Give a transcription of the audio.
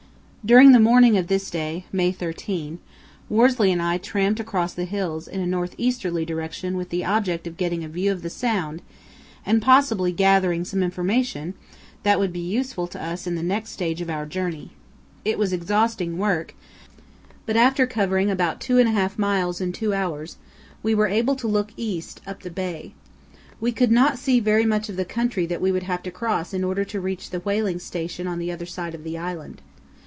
During the morning of this day (May 13) Worsley and I tramped across the hills in a north easterly direction with the object of getting a view of the sound and possibly gathering some information that would be useful to us in the next stage of our journey. It was exhausting work, but after covering about 2½ miles in two hours, we were able to look east, up the bay. We could not see very much of the country that we would have to cross in order to reach the whaling station on the other side of the island.